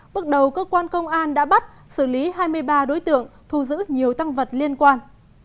bước đầu cơ quan công an đã bắt xử lý hai mươi ba đối tượng thu giữ nhiều tăng vật liên quan